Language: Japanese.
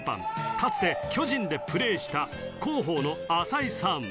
かつて巨人でプレーした広報の朝井さん